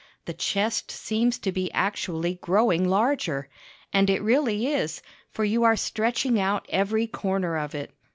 The chest seems to be actually growing larger; and it really is, for you are stretching out every corner of it.